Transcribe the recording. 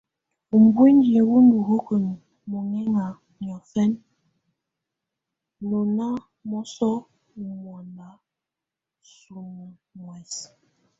Ubuinyi wù ndù hukǝ mɔŋɛŋa niɔ́fɛna, nɔ na mɔsɔ ù mɔanda suŋǝ muɛs.